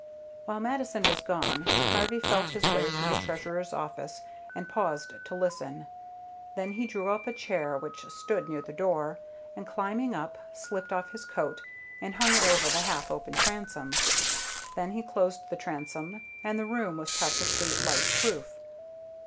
While Mattison was gone, Harvey felt his way through the Treasurer's office and paused to listen; then he drew up a chair which stood near the door, and climbing up, slipped off his coat and hung it over the half open transom. Then he closed the transom, and the room was practically light proof.